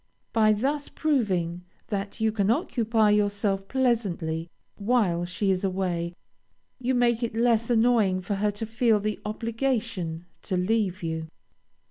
By thus proving that you can occupy yourself pleasantly, while she is away, you make it less annoying to her to feel the obligation to leave you.